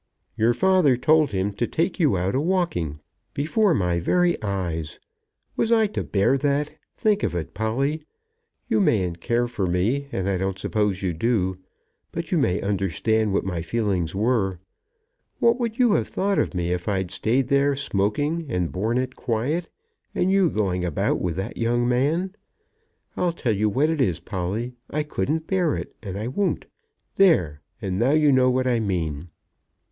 "Your father told him to take you out a walking before my very eyes! Was I to bear that? Think of it, Polly. You mayn't care for me, and I don't suppose you do; but you may understand what my feelings were. What would you have thought of me if I'd stayed there, smoking, and borne it quiet, and you going about with that young man? I'll tell you what it is, Polly, I couldn't bear it, and I won't. There; and now you know what I mean."